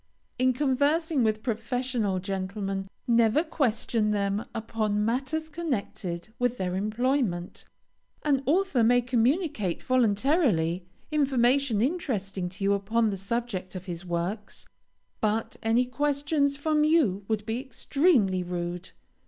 In conversing with professional gentlemen, never question them upon matters connected with their employment. An author may communicate, voluntarily, information interesting to you, upon the subject of his works, but any questions from you would be extremely rude.